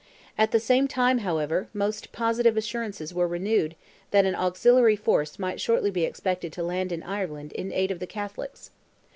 At the same time, however, most positive assurances were renewed that an auxiliary force might shortly be expected to land in Ireland in aid of the Catholics.